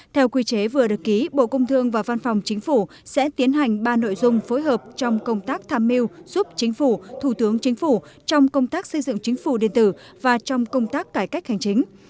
theo quy chế vừa được ký bộ công thương và văn phòng chính phủ sẽ tiến hành ba nội dung phối hợp trong công tác tham mưu giúp chính phủ thủ tướng chính phủ trong công tác xây dựng chính phủ điện tử và trong công tác cải cách hành chính